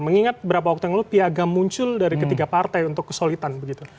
mengingat beberapa waktu yang lalu piagam muncul dari ketiga partai untuk kesulitan begitu